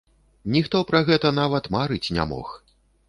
Ніхто пра гэта нават марыць не мог.